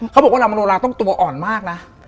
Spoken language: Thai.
เขาบอกว่านางมโนราต้องตัวอ่อนมากนะ